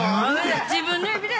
自分の指で。